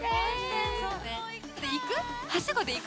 行く？